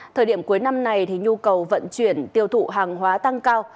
thời điểm cuối năm này nhu cầu vận chuyển tiêu thụ hàng hóa tăng cao